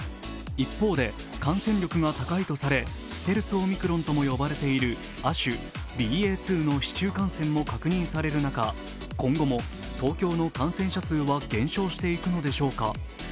一方で感染力が高いとされ、ステルスオミクロンとも呼ばれている亜種ＢＡ．２の市中感染も確認される中今後も東京の感染者数は減少していくのでしょうか。